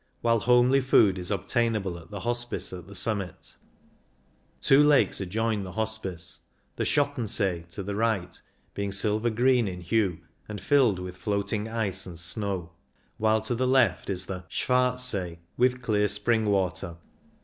while homely food is obtainable at the Hospice at the summit Two lakes adjoin the Hospice, the Schot tensee, to the right, being silver green in hue and filled with floating ice and snow, while to the left is the Schwarzsee, with clear spring water.